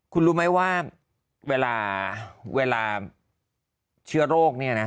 คุณรู้ไหมว่าเวลาเชื้อโรคเนี่ยนะ